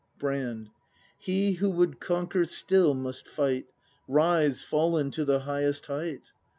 Brand. He who would conquer still must fight. Rise, fallen to the highest height.